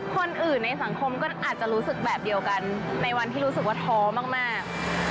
คนอื่นในสังคมก็อาจจะรู้สึกแบบเดียวกันในวันที่รู้สึกว่าท้อมาก